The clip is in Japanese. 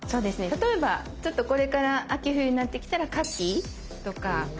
例えばこれから秋冬になってきたらかきとか。